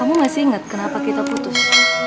aku masih inget kenapa kita putus